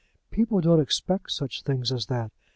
People don't expect such things as that.